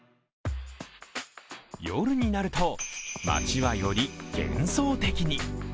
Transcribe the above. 夜になると、街はより幻想的に。